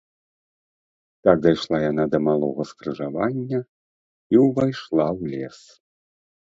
Так дайшла яна да малога скрыжавання і ўвайшла ў лес.